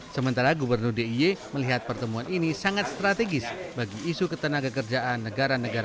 sementara gubernur dia melihat pertemuan ini sangat strategis bagi isu ketenaga kerjaan negara negara